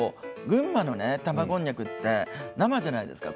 群馬の玉こんにゃくって生じゃないですか。